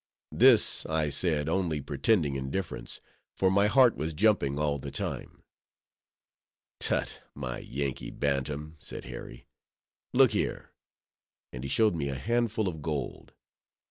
This I said, only pretending indifference, for my heart was jumping all the time. "Tut! my Yankee bantam," said Harry; "look here!" and he showed me a handful of gold.